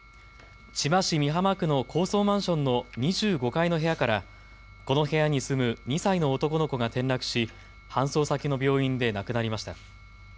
千葉市美浜区の高層マンションの２５階の部屋からこの部屋に住む２歳の男の子が転落し搬送先の病院で亡くなりました。